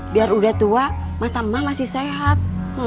biar udah tua mata emak masih sehat